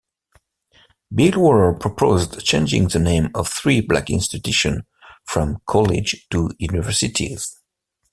Bill Waller proposed changing the names of three black institutions from "colleges" to "universities.